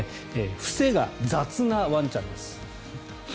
伏せが雑なワンちゃんです。